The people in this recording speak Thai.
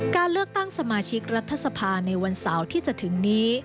การเลือกตั้งสมาชิกรัฐสภาในวันเสาร์ที่จะถึงนี้